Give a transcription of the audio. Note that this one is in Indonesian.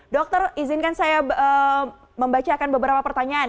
dokter izinkan saya membacakan beberapa pertanyaan